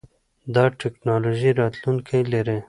دا ټکنالوژي راتلونکی لري.